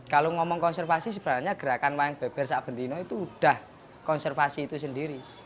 kalau ngomong konservasi sebenarnya gerakan wayang beber sak bentino itu sudah konservasi itu sendiri